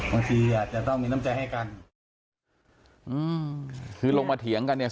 บางทีอ่ะจะต้องมีน้ำใจให้กันอืมคือลงมาเถียงกันเนี่ย